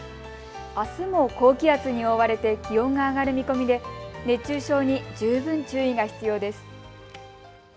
あすも高気圧に覆われて気温が上がる見込みで熱中症に十分注意が必要です。